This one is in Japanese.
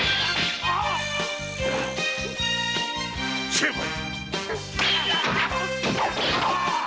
成敗！